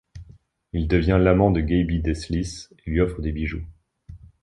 Il devient l’amant de Gaby Deslys et lui offre des bijoux.